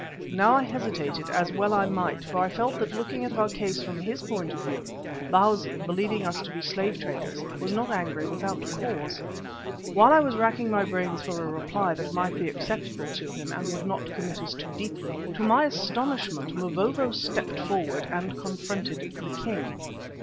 Now I hesitated, as well I might, for I felt that looking at our case from his point of view, Bausi, believing us to be slave traders, was not angry without cause. While I was racking my brains for a reply that might be acceptable to him and would not commit us too deeply, to my astonishment Mavovo stepped forward and confronted the king.